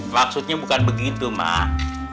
maksudnya bukan begitu mak